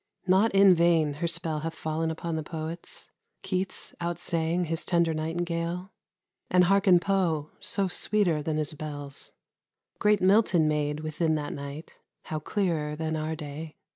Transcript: Not in vain her spell Hath fallen upon the poets: Keats outsang His tender nightingale; and hearken Poe, So sweeter than his bells! Great Milton made Within that night (how clearer than our day!)